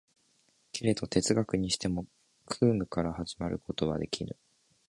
けれど哲学にしても空無から始めることはできぬ。